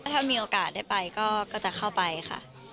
ถ้ามีโอกาสได้ไปก็จะเข้าไปค่ะ